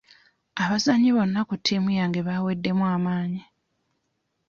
Abazanyi bonna ku tiimu yange baaweddemu amaanyi.